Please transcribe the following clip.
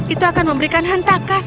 itu akan memberikan hentakan